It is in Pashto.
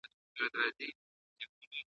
غر که هر څونده لور وي، خو پر سر لار لري `